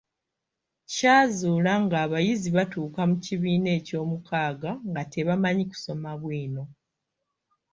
Kyazuula ng'abayizi batuuka mu kibiina ekyomukaaga nga tebamanyi kusoma bwino.